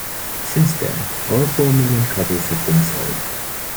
Since then, over four million copies have been sold.